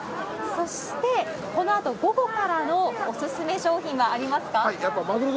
そして、このあと午後からのお勧め商品はありますか？